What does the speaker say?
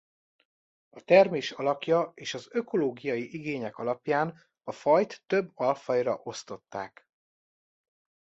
A termés alakja és az ökológiai igények alapján a fajt több alfajra osztották.